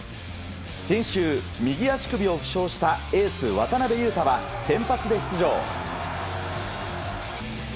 先週、右足首を負傷したエース、渡邊雄太は、先発で出場。